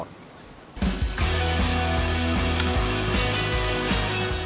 lalu kembali ke pilihan